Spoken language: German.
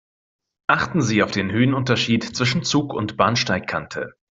Achten Sie auf den Höhenunterschied zwischen Zug und Bahnsteigkante.